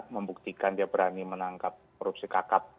membuktikan dia berani menangkap korupsi kakap